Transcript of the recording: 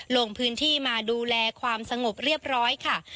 ลงพื้นที่มาดูแลความสงบเรียบร้อยค่ะ